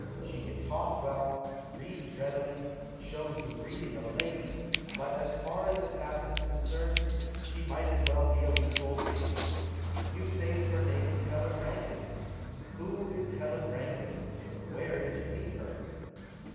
She can talk well, reads readily, shows the breeding of a lady, but as far as the past is concerned, she might as well be a week old baby. You say that her name is Helen Rankine. Who is Helen Rankine? Where did you meet her?"